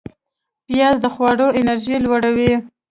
پیاز د خواړو انرژی لوړوي